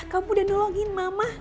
kamu udah nolongin mama